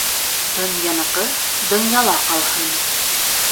Донъяныҡы донъяла ҡалһын.